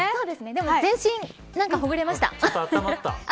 でも、全身ほぐれました。